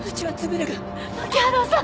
槇原さん